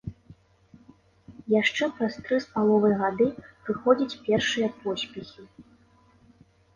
Яшчэ праз тры з паловай гады прыходзяць першыя поспехі.